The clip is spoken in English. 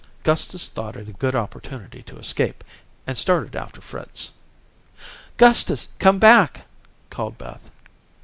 Gustus thought it a good opportunity to escape and started after Fritz. "Gustus, come back," called Beth.